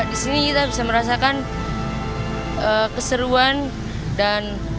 di sini kita bisa merasakan keseruan dan